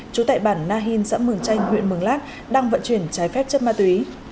trú tại bản na hìn xã mường chanh huyện mường lát đang vận chuyển trái phép chất ma túy